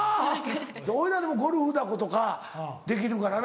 おいらでもゴルフだことかできるからな。